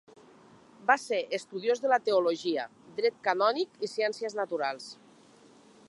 Va ser estudiós de la teologia, dret canònic i ciències naturals.